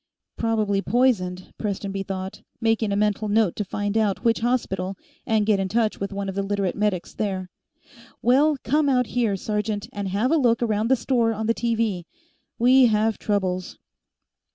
Probably poisoned, Prestonby thought, making a mental note to find out which hospital and get in touch with one of the Literate medics there. "Well, come out here, sergeant, and have a look around the store on the TV. We have troubles."